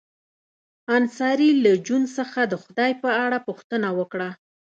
انصاري له جون څخه د خدای په اړه پوښتنه وکړه